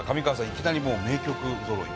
いきなり、もう名曲ぞろい。